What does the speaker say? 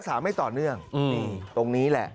สวัสดีครับคุณผู้ชาย